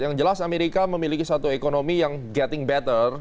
yang jelas amerika memiliki satu ekonomi yang getting better